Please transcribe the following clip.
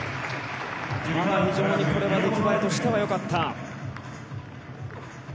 非常にこれは出来栄えとしてはよかった。